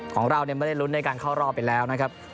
ของเราไม่ได้ลุ้นในการเข้ารอบไปแล้วนะครับ